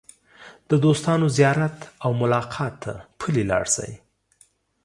د دوستانو زیارت او ملاقات ته پلي لاړ شئ.